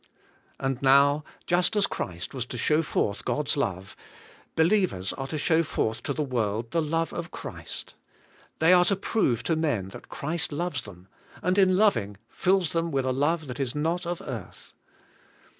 And now, just as Christ was to show forth God's love, believers are to show forth to the world the love of Christ. They are to prove to men that Christ loves them, and in loving fills them with a love that is not of earth.